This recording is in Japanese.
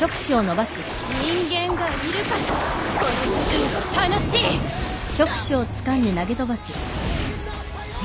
人間がいるからこの世界は楽しい！くっ！